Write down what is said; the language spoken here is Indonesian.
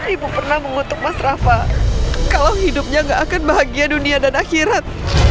ibu pernah mengutuk mas rafa kalau hidupnya gak akan bahagia dunia dan akhirat